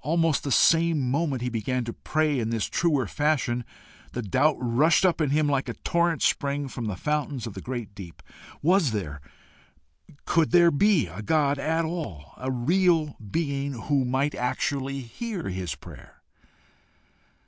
almost the same moment he began to pray in this truer fashion, the doubt rushed up in him like a torrent spring from the fountains of the great deep Was there could there be a God at all? a real being who might actually hear his prayer?